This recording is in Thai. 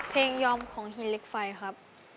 เพลงยอมของฮินเหล็กไฟครับ